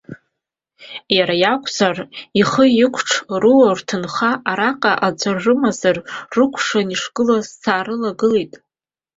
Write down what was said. Иара иакәзар, ихы икәаҽ, руа-рҭынха араҟа аӡәыр рымазар рыкәшаны ишгылаз саарылагылеит.